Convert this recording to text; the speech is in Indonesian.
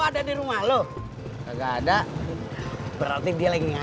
kamu tuh sebenarnya ga wiha dua